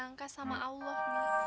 disangka sama allah